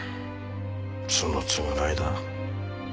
その償いだ。